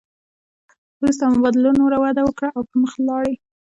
وروسته مبادلو نوره وده وکړه او پرمخ ولاړې